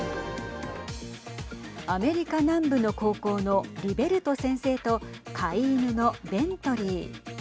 アメリカ南部の高校のリベルト先生と飼い犬のベントリー。